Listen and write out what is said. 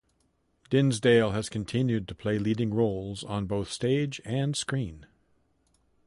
Dinsdale has continued to play leading roles on both stage and screen.